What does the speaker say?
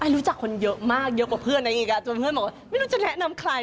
รู้จักคนเยอะมากเยอะกว่าเพื่อนอะไรอีกอ่ะจนเพื่อนบอกว่าไม่รู้จะแนะนำใคร